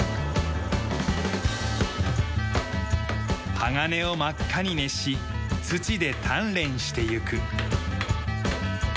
鋼を真っ赤に熱し槌で鍛錬していく。